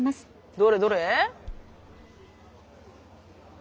どれどれ？